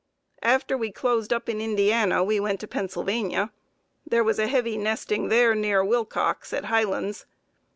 After we closed up in Indiana we went to Pennsylvania. There was a heavy nesting near Wilcox, at Highlands.